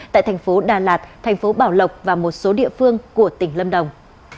tại thành phố đà lạt thành phố bảo lộc và một số địa phương của tỉnh lâm đồng